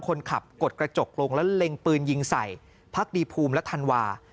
คนขับกดกระจกลงแล้วเล็งปืนยิงใส่พักดีภูมิและธันวา